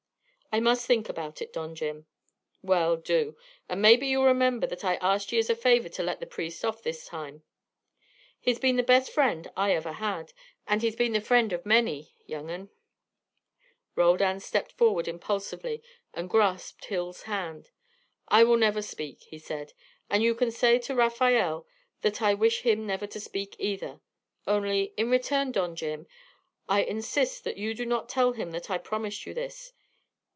"I must think about it, Don Jim." "Well, do. And maybe you'll remember that I asked ye as a favour to let the priest off this time. He's been the best friend I ever had, and he's been the friend of many, young 'un." Roldan stepped forward impulsively and grasped Hill's hand. "I will never speak," he said. "And you can say to Rafael that I wish him never to speak, either. Only, in return, Don Jim, I insist that you do not tell him that I promised you this.